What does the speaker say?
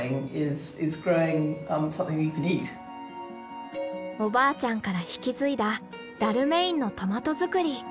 おばあちゃんから引き継いだダルメインのトマト作り。